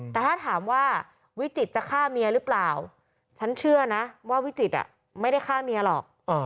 แต่ถ้าถามว่าวิจิตจะฆ่าเมียหรือเปล่าฉันเชื่อนะว่าวิจิตรไม่ได้ฆ่าเมียหรอก